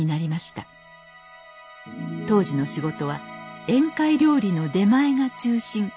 当時の仕事は宴会料理の出前が中心。